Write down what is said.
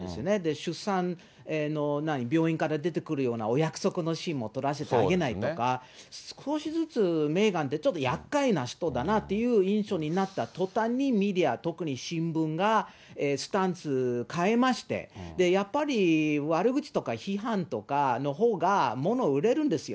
出産の病院から出てくるようなお約束のシーンも撮らせてあげないとか、少しずつメーガンってちょっとやっかいな人だなという印象になったとたんに、メディア、特に新聞が、スタンス変えまして、やっぱり悪口とか批判とかのほうがもの売れるんですよ。